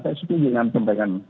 saya setuju dengan pemberian